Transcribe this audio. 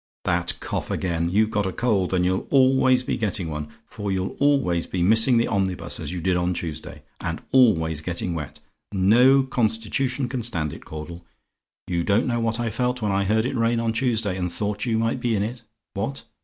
"That cough again! You've got a cold, and you'll always be getting one for you'll always be missing the omnibus as you did on Tuesday, and always be getting wet. No constitution can stand it, Caudle. You don't know what I felt when I heard it rain on Tuesday, and thought you might be in it. What?